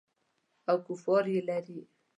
او کفار یې لري.